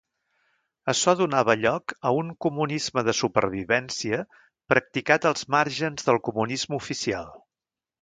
Açò donava lloc a un comunisme de supervivència practicat als màrgens del comunisme oficial.